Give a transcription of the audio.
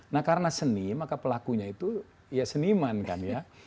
nah karena seni maka pelakunya itu ya seniman kan ya